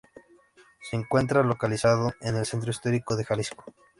Se encuentra localizado en el centro histórico de Jalisco.